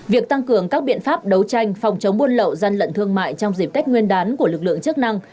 việc tăng cường các biện pháp đấu tranh phòng chống buôn lậu gian lận thương mại trong dịp tết nguyên đán của lực lượng chức năng